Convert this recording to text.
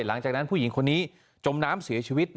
หลังจากนั้นผู้หญิงคนนี้จมน้ำเสียชีวิต